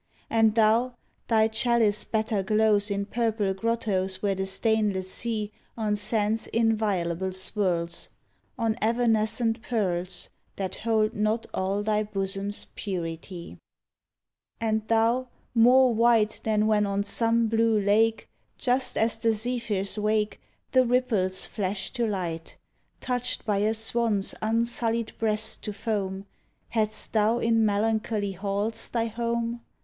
And thou, thy chalice better glows In purple grottos where the stainless sea On sands inviolable swirls — On evanescent pearls, 34 tHE HOUSE OF ORCHIDS That hold not all thy bosom's purity. And thou, more white Than when on some blue lake, Just as the zephyrs wake. The ripples flash to light — Touched by a swan's unsullied breast to foam, Hadst thou in melancholy halls thy home?